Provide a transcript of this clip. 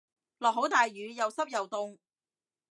落好大雨又濕又凍